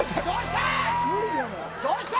どうした？